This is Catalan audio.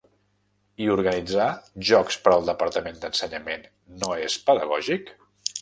I organitzar jocs per al Departament d'Ensenyament no és pedagògic?